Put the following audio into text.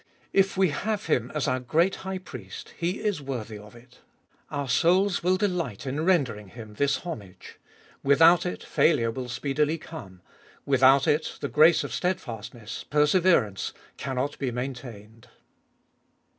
If we have Him as our great High Priest, He is worthy of it ; our souls will delight in rendering Him this homage ; without it, failure will speedily come ; without it, the grace of steadfastness, perseverance, cannot be maintained.